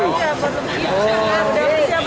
iya buat rendang